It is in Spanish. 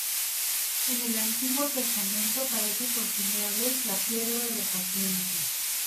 En el Antiguo Testamento aparece por primera vez la Piedra de la Paciencia.